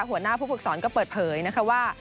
หัวหน้าผู้ฝึกศรก็เปิดเผยนะคะว่า